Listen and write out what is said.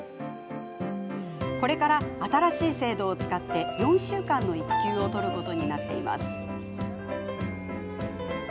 これから新しい制度を使って４週間の育休を取ることになっています。